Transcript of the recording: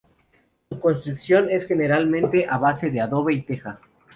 Su construcción es generalmente a base de adobe y teja.